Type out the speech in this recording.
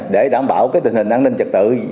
để đảm bảo tình hình an ninh trật tự